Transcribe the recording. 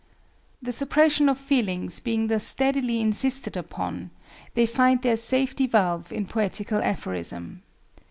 The suppression of feelings being thus steadily insisted upon, they find their safety valve in poetical aphorism.